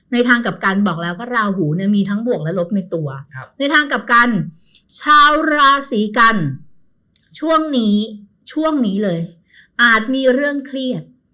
ทางกับกันบอกแล้วว่าราหูเนี่ยมีทั้งบวกและลบในตัวในทางกลับกันชาวราศีกันช่วงนี้ช่วงนี้เลยอาจมีเรื่องเครียด